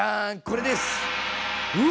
これです！